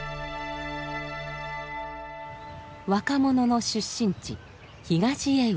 若者の出身地東江上。